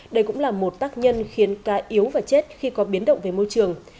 đây cũng là một tác nhân khiến cá yếu và chết khi có biến động về môi trường